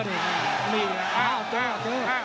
นี่อ้าวเจอ